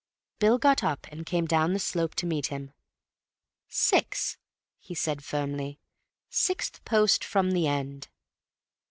Bill got up and came down the slope to meet him. "Six," he said firmly. "Sixth post from the end."